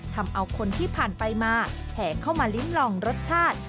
ทำเอาคนที่ผ่านไปมาแห่เข้ามาลิ้มลองรสชาติ